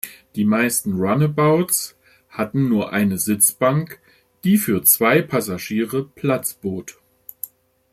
Die meisten Runabouts hatten nur eine Sitzbank, die für zwei Passagiere Platz bot.